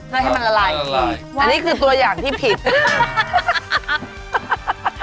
แล้วให้มันละไหลอีกทีอันนี้คือตัวอย่างที่ผิดค่ะ